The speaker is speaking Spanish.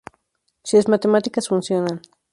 si las matemáticas funcionan